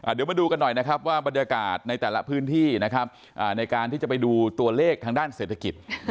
เดี๋ยวมาดูกันหน่อยนะครับว่าบรรยากาศในแต่ละพื้นที่นะครับในการที่จะไปดูตัวเลขทางด้านเศรษฐกิจ